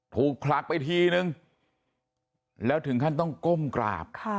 คลักไปทีนึงแล้วถึงขั้นต้องก้มกราบ